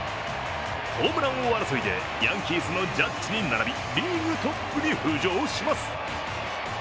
ホームラン王争いでヤンキースのジャッジに並びリーグトップに浮上します。